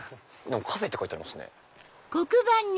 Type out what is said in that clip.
カフェって書いてありますね。